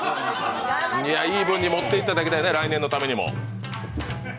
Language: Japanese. イーブンに持っていっていただきたいね、来年のためにも。